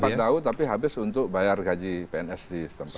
dapat daun dapat daun tapi habis untuk bayar gaji pns di setempat